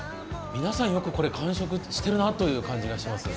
皆さん、よくこれ完食しているなという感じがしています。